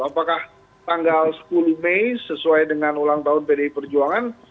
apakah tanggal sepuluh mei sesuai dengan ulang tahun pdi perjuangan